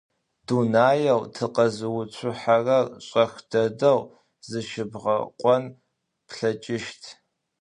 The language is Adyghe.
Дунаеу тыкъэзыуцухьэрэр шӏэх дэдэу зэщыбгъэкъон плъэкӏыщт.